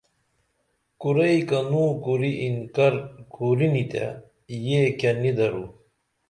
کُرئی کنو کُری انکر کُرینی تے یے کیہ نی درو